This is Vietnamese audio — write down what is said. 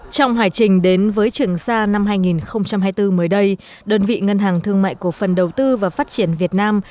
trong hải trình đến với trường sa năm hai nghìn hai mươi bốn mới đây đơn vị ngân hàng thương mại cổ phần đầu tư và phát triển việt nam